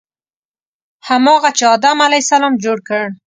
هماغه چې آدم علیه السلام جوړ کړ.